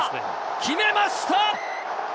決めました！